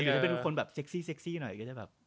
หรือเป็นคนแบบเซ็กซี่หน่อยก็จะแบบ